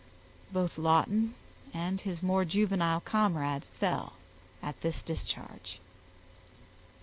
Both Lawton and his more juvenile comrade fell at this discharge.